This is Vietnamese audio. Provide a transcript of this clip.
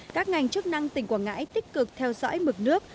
các ngành chức năng tỉnh quảng ngãi tích cực theo dõi mực nước